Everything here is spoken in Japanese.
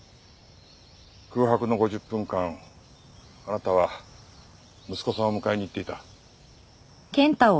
空白の５０分間あなたは息子さんを迎えに行っていた。